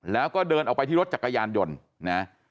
แล้วก็เดินออกไปที่รถจักรยานยนต์นะ